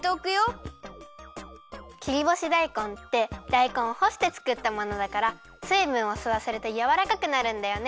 切りぼしだいこんってだいこんをほしてつくったものだからすいぶんをすわせるとやわらかくなるんだよね。